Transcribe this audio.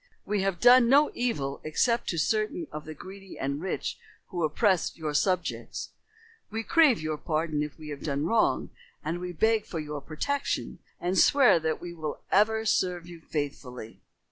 We have done no evil except to certain of the greedy and rich who oppressed your subjects. We crave your pardon if we have done wrong, and we beg for your protection, and swear that we will ever serve you faithfully."